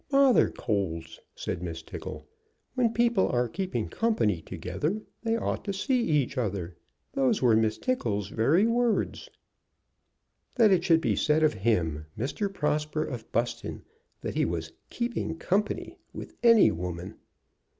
"'Bother colds!' said Miss Tickle. 'When people are keeping company together they ought to see each other.' Those were Miss Tickle's very words." That it should be said of him, Mr. Prosper, of Buston, that he was "keeping company" with any woman!